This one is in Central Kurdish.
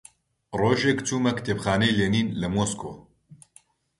ڕۆژێک چوومە کتێبخانەی لێنین لە مۆسکۆ